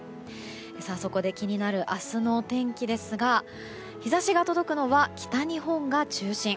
そこで気になる明日の天気ですが日差しが届くのは北日本が中心。